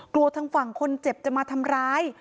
กลัวทางฝั่งคนเจ็บจะมาทำร้าย